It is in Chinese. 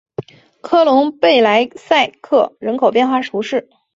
科隆贝莱塞克人口变化图示